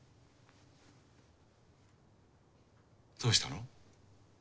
どうしたの？